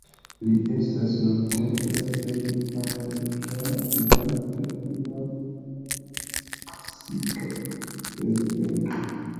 Li estas nuntempe la plej aĝa vivanta iama meksika prezidento.